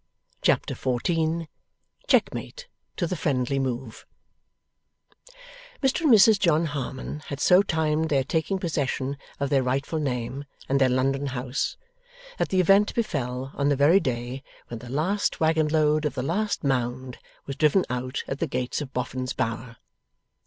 Chapter 14 CHECKMATE TO THE FRIENDLY MOVE Mr and Mrs John Harmon had so timed their taking possession of their rightful name and their London house, that the event befel on the very day when the last waggon load of the last Mound was driven out at the gates of Boffin's Bower.